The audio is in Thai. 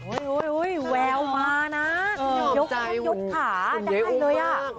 โอ้ยแววมานะยกหยุดขาได้ให้เลยอ่ะ